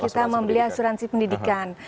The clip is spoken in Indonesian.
kita membeli asuransi pendidikan